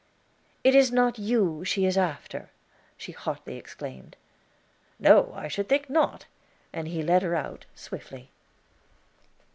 "It is not you she is after," she hotly exclaimed. "No, I should think not." And he led her out swiftly.